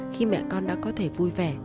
khi mẹ con đã có thể vui vẻ